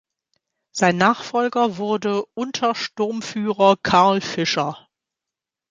Sein Nachfolger wurde Untersturmführer Karl Fischer.